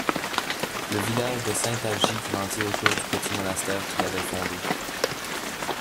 Le village de Saint-Algis grandit autour du petit monastère qu'il avait fondé.